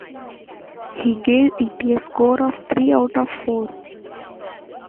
He gave it a score of three out of four.